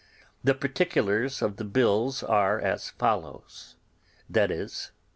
The particulars of the bills are as follows, viz.